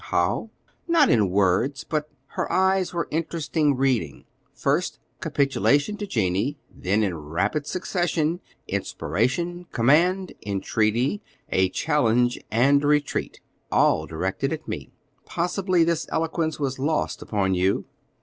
"How?" "Not in words, but her eyes were interesting reading: first, capitulation to Jennie, then, in rapid succession, inspiration, command, entreaty, a challenge and retreat, all directed at me. Possibly this eloquence was lost upon you."